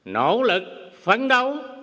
nỗ lực phấn đấu